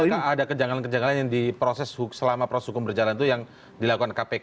jadi maksudnya ada kejangan kejangan yang di proses selama proses hukum berjalan itu yang dilakukan kpk